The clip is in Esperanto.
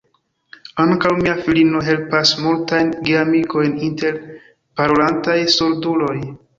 Ankaŭ mia filino helpas multajn geamikojn inter parolantaj surduloj.